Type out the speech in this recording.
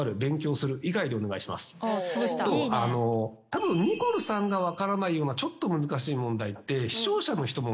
たぶんニコルさんが分からないようなちょっと難しい問題って。